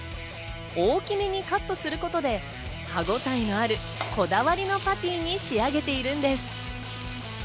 大きめにカットすることで歯ごたえのあるこだわりのパティに仕上げているんです。